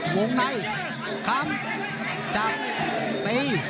วงในข้ามจับเตะ